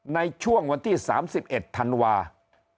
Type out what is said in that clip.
ในช่วงวันที่๓๑ธันวาคม